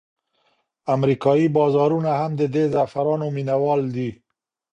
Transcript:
امریکایي بازارونه هم د دې زعفرانو مینوال دي.